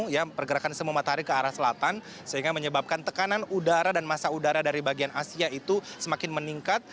ya pergerakan semu matahari ke arah selatan sehingga menyebabkan tekanan udara dan masa udara dari bagian asia itu semakin meningkat